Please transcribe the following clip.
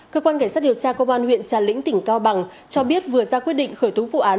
cơ quan cảnh sát điều tra công an huyện trà lĩnh tỉnh cao bằng cho biết vừa ra quyết định khởi tố vụ án